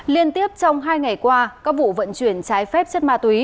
liên tiếp trong hai ngày qua các vụ vận chuyển trái phép chất ma túy